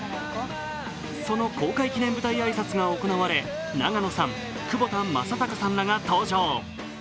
その公開記念舞台挨拶が行われ、永野さん、窪田正孝さんらが登場。